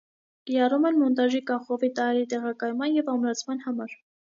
Կիրառում են մոնտաժի կախովի տարրերի տեղակայման և ամրացման համար։